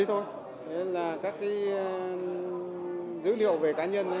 thế là các dữ liệu về cá nhân